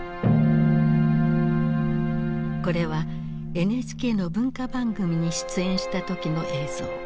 これはＮＨＫの文化番組に出演した時の映像。